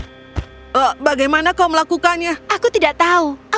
saya baru menyentuh kelinci itu dan berharap mereka membawa penyihir itu kembali ke tempat asalnya